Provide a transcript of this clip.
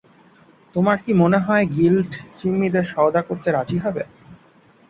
তোমার কি মনে হয় গিল্ড জিম্মিদের সওদা করতে রাজি হবে?